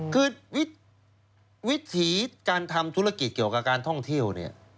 คือวิถีการทำธุรกิจเกี่ยวกับการท่องเที่ยวเนี่ย